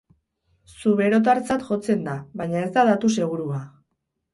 Zuberotartzat jotzen da baina ez da datu segurua.